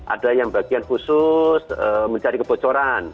ada yang bagian khusus mencari kebocoran